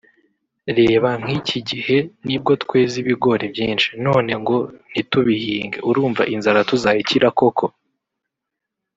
Reba nk’iki gihe nibwo tweza ibigori byinshi none ngo ntitubihinge urumva inzara tuzayikira koko